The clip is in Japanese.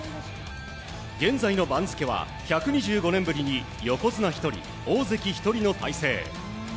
現在の番付は１２５年ぶりに横綱１人、大関１人の体制。